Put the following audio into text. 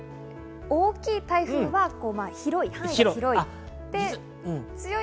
大きい台風は広い、範囲が広い。